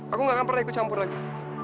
aku nggak akan pernah ikucampur lagi